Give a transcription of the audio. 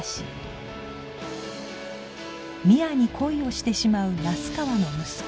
深愛に恋をしてしまう那須川の息子